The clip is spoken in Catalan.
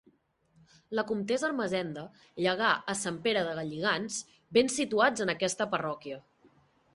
La comtessa Ermessenda llegà a Sant Pere de Galligants béns situats en aquesta parròquia.